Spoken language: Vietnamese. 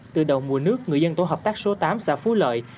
từ đầu mùa nước người dân tổ hợp tác số tám xã phú lợi